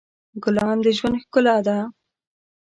ګلان د ژوند ښکلا ده.